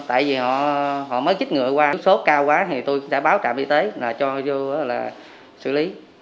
tại vì họ mới chích ngừa qua sốt cao quá thì tôi đã báo trạm y tế là cho vô là xử lý